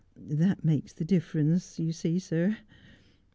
That makes the difference, you see, sir.